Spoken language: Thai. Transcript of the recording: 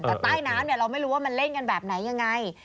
แต่ใต้น้ำเนี่ยเราไม่รู้ว่ามันเล่นกันแบบไหนยังไง